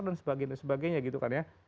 dan sebagainya gitu kan ya